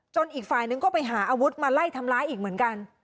อีกฝ่ายนึงก็ไปหาอาวุธมาไล่ทำร้ายอีกเหมือนกัน